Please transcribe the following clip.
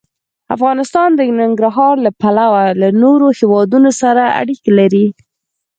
افغانستان د ننګرهار له پلوه له نورو هېوادونو سره اړیکې لري.